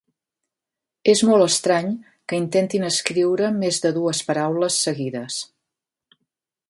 És molt estrany que intentin escriure més de dues paraules seguides.